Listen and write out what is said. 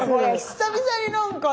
久々に何かね。